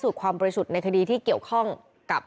แต่ภายหลังได้รับแจ้งว่ากำลังจะแต่งงาน